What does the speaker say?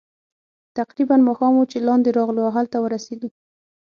تقریباً ماښام وو چې لاندې راغلو، او هلته ورسېدو.